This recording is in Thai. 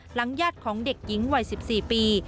ญาติของเด็กหญิงวัย๑๔ปี